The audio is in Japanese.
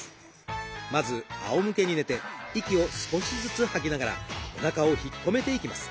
まず仰向けに寝て息を少しずつ吐きながらおなかを引っ込めていきます。